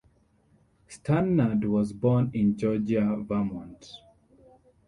Stannard was born in Georgia, Vermont.